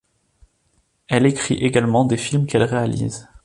Elle écrit également des films qu'elle réalise.